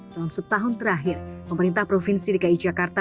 dalam setahun terakhir pemerintah provinsi dki jakarta